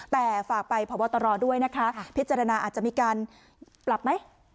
แต่ฝากไปพบตรด้วยนะคะพิจารณาอาจจะมีการปรับไหม